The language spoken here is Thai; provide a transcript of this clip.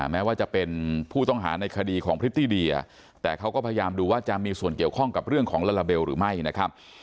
แม้ว่าจะเป็นผู้ต้องหาในคดีของพริตตี้เดียแต่เขาก็พยายามดูว่าจะมีส่วนเกี่ยวข้องกับเรื่องของลาลาเบลหรือไม่นะครับ